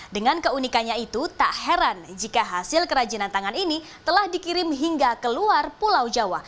dengan keunikannya itu tak heran jika hasil kerajinan tangan ini telah dikirim hingga ke luar pulau jawa